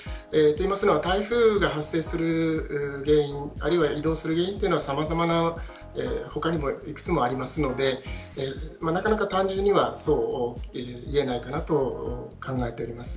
台風が発生する原因、あるいは移動する原因というのは他にもいくつもありますのでなかなか単純には言えないかなと考えております。